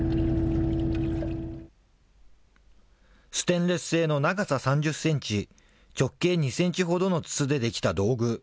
ステンレス製の長さ３０センチ、直径２センチほどの筒で出来た道具。